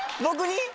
僕に？